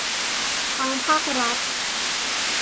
ทั้งภาครัฐ